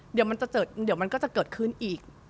เดี๋ยวมันก็จะเกิดขึ้นอีก